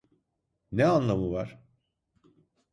Ne anlamı var?